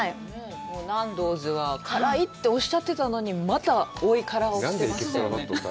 ナンドーズは辛いっておっしゃってたのにまた追い辛をしてましたよね。